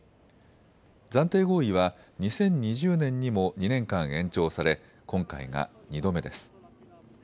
暫定合意は２０２０年にも２年間延長され今回が２度目です。